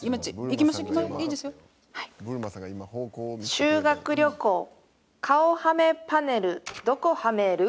「修学旅行顔はめパネルどこハメル？」